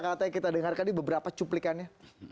katanya kita dengarkan di beberapa cuplikannya